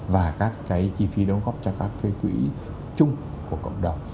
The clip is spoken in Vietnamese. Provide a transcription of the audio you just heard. và các cái chi phí đóng góp cho các cái quỹ chung của cộng đồng